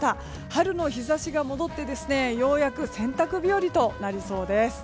春の日差しが戻って、ようやく洗濯日和となりそうです。